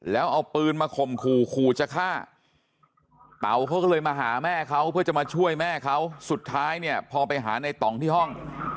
แล้วเอาปืนมาข่มขู่ขู่จะฆ่าเต๋าเขาก็เลยมาหาแม่เขาเพื่อจะมาช่วยแม่เขาสุดท้ายเนี่ยพอไปหาในต่องที่ห้อง